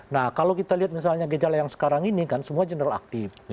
nah kalau kita lihat misalnya gejala yang sekarang ini kan semua general aktif